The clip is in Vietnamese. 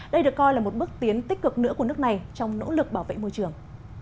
đây được coi là một bước tiến tích cực nữa của nước này trong nỗ lực bảo vệ môi trường